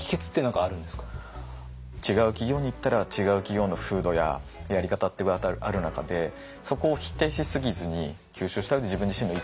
違う企業にいったら違う企業の風土ややり方ってある中でそこを否定しすぎずに吸収した上で自分自身の意見を言えるか。